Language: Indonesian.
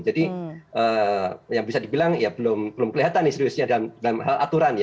ini yang bisa dibilang belum kelihatan seriusnya dalam hal aturan